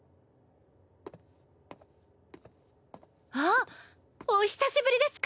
あっお久しぶりです